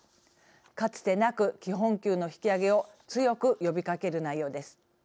かつてなく、基本給の引き上げを強く呼びかける内容です。